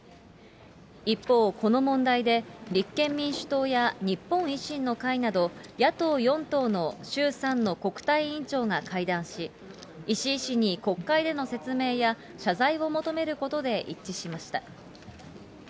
一方、この問題で、立憲民主党や日本維新の会など、野党４党の衆参の国対委員長が会談し、石井氏に国会での説明や、謝罪を求めることで一致しました。